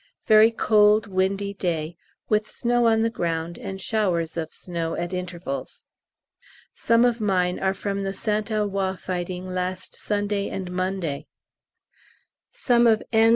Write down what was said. Very cold windy day, with snow on the ground and showers of snow at intervals. Some of mine are from the St Eloi, fighting last Sunday and Monday. Some of N.'